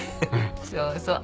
そうそう。